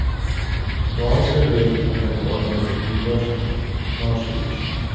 Rollens graduated from California State University, Northridge.